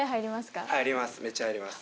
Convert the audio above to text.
めっちゃ入ります。